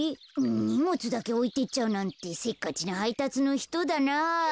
にもつだけおいてっちゃうなんてせっかちなはいたつのひとだな。